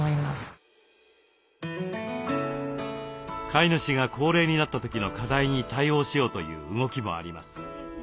飼い主が高齢になった時の課題に対応しようという動きもあります。